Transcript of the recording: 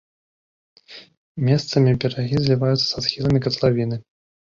Месцамі берагі зліваюцца са схіламі катлавіны.